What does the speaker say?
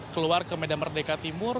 keluar ke medan merdeka timur